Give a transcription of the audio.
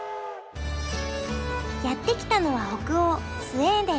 やって来たのは北欧スウェーデン。